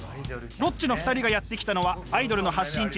ロッチの２人がやって来たのはアイドルの発信地